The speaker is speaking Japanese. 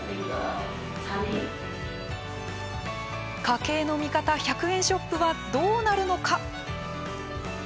家計の味方１００円ショップはどうなるのか。